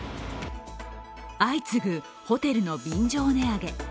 相次ぐ、ホテルの便乗値上げ。